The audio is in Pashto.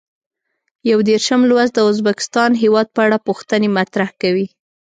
یو دېرشم لوست د ازبکستان هېواد په اړه پوښتنې مطرح کوي.